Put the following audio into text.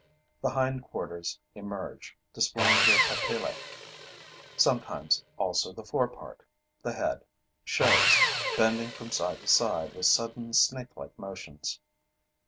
The hind quarters emerge, displaying their papillae. Sometimes also the fore part, the head, shows, bending from side to side with sudden, snake like motions.